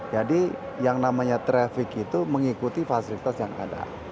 jadi yang namanya traffic itu mengikuti fasilitas yang ada